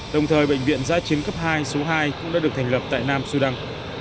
đồng thời bệnh viện giã chiến cấp hai số hai cũng đã được thành lập tại nam sudan